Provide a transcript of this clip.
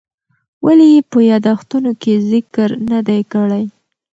ولې یې په یادښتونو کې ذکر نه دی کړی؟